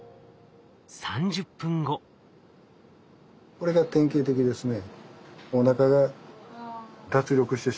これが典型的ですね。